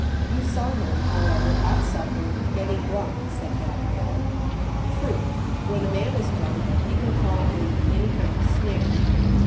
" You saw him, however, at supper — getting drunk," said Ga brielle. "True; when a man is drunk, he can fall into any kind of snare."